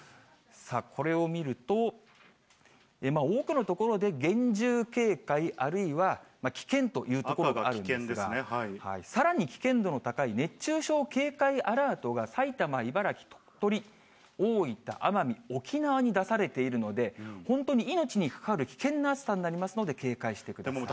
これを見ると、多くの所で厳重警戒、あるいは危険という所があるんですが、さらに危険度の高い熱中症警戒アラートが埼玉、茨城、鳥取、大分、奄美、沖縄に出されているので、本当に命に関わる危険な暑さになりますので、警戒してください。